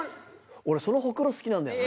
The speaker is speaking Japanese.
俺そのホクロ好きなんだよね。